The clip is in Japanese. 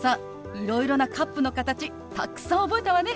いろいろなカップの形たくさん覚えたわね！